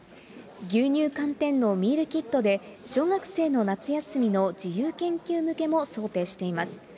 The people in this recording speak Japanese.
牛乳寒天のミールキットで、小学生の夏休みの自由研究向けも想定しています。